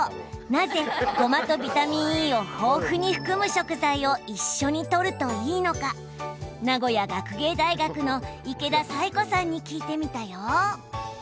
なぜ、ごまとビタミンＥを豊富に含む食材を一緒にとるといいのか名古屋学芸大学の池田彩子さんに聞いてみたよ。